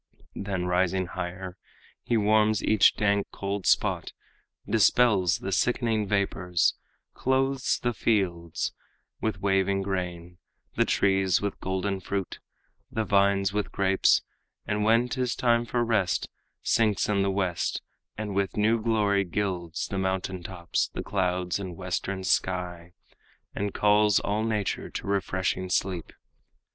Then rising higher, he warms each dank, cold spot, Dispels the sickening vapors, clothes the fields With waving grain, the trees with golden fruit, The vines with grapes; and when 'tis time for rest, Sinks in the west, and with new glory gilds The mountain tops, the clouds and western sky, And calls all nature to refreshing sleep.